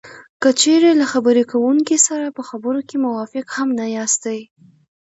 که چېرې له خبرې کوونکي سره په خبرو کې موافق هم نه یاستی